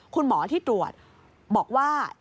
คุณหมอที่ตรวจบอกว่า